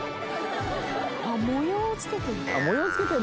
模様をつけてる。